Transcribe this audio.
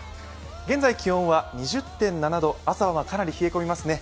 現在気温は２０．７度朝はかなり冷え込みますね。